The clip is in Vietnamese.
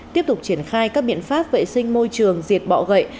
tiếp tục triển khai các biện pháp vệ sinh môi trường diệt bọ gậy